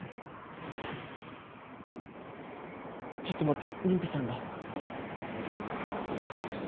ちょっと待って妊婦さんが。